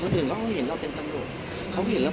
พี่อัดมาสองวันไม่มีใครรู้หรอก